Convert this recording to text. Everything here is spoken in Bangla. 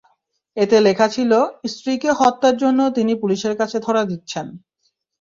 এতে লেখা ছিল, স্ত্রীকে হত্যার জন্য তিনি পুলিশের কাছে ধরা দিচ্ছেন।